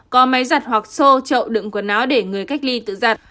có máy giặt hoặc xô chậu đựng quần áo để người cách ly tự giặt